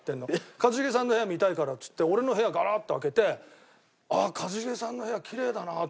「一茂さんの部屋見たいから」っつって俺の部屋ガラッと開けて「ああ一茂さんの部屋キレイだな」とか言って。